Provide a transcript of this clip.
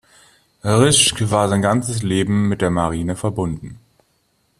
Rijk war sein ganzes Leben mit der Marine verbunden.